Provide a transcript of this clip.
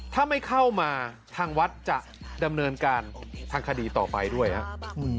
ถ้าไม่เข้ามาทางวัดจะดำเนินการทางคดีต่อไปด้วยครับ